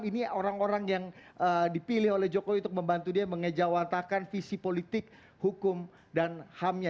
ini orang orang yang dipilih oleh jokowi untuk membantu dia mengejawatakan visi politik hukum dan hamnya